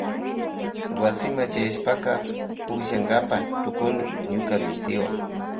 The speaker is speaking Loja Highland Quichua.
Wasima chayashpaka pukllankapa tukuni ñuka misiwan.